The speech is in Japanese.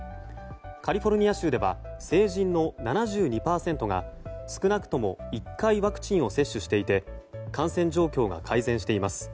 カリフォルニア州では成人の７２％が少なくとも１回ワクチンを接種していて感染状況が改善しています。